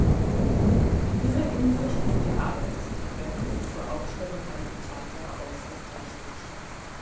In dieser Hinsicht ist die Arbeit des Konvents zur Aufstellung einer Charta äußerst wichtig.